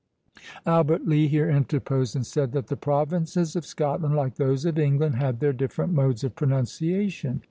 Albert Lee here interposed, and said that the provinces of Scotland, like those of England, had their different modes of pronunciation.